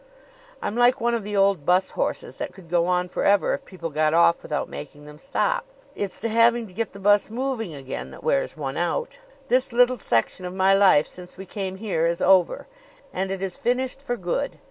"I'm like one of the old bus horses that could go on forever if people got off without making them stop. It's the having to get the bus moving again that wears one out. This little section of my life since we came here is over, and it is finished for good.